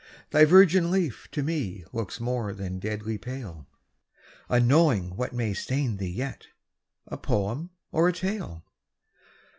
thy virgin leaf To me looks more than deadly pale, Unknowing what may stain thee yet, A poem or a tale.